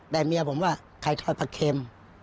แต่เมียผมว่าไข่ทอดผักเค็ม